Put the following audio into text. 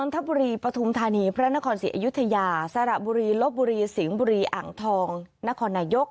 ทบุรีปฐุมธานีพระนครศรีอยุธยาสระบุรีลบบุรีสิงห์บุรีอ่างทองนครนายก